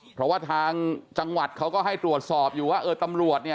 เพราะว่าทางจังหวัดเขาก็ให้ตรวจสอบอยู่ว่าเออตำรวจเนี่ย